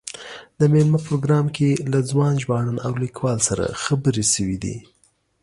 د مېلمه پروګرام کې له ځوان ژباړن او لیکوال سره خبرې شوې دي.